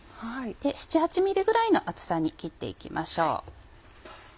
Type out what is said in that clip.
７８ｍｍぐらいの厚さに切って行きましょう。